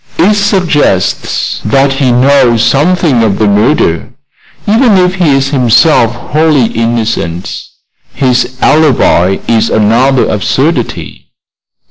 "It suggests that he knows something of the murder, even if he is himself wholly innocent. His alibi is another absurdity."